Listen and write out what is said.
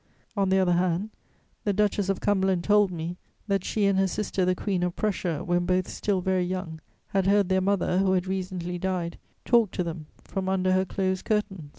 On the other hand, the Duchess of Cumberland told me that she and her sister the Queen of Prussia, when both still very young, had heard their mother, who had recently died, talk to them from under her closed curtains.